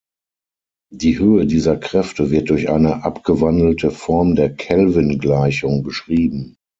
Die Höhe dieser Kräfte wird durch eine abgewandelte Form der Kelvin-Gleichung beschrieben.